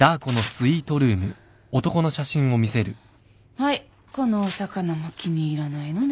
はいこのオサカナも気に入らないのね。